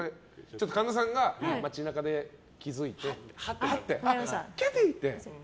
神田さんが街中で気づいてハッ！ってなって。